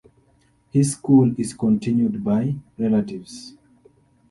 His school is continued by relatives.